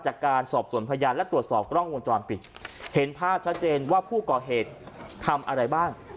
จากการสอบส่วนพยานและตรวจสอบกล้องวงจรปิดเห็นภาพชัดเจนว่าผู้ก่อเหตุทำอะไรบ้าง